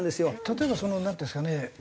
例えばそのなんていうんですかね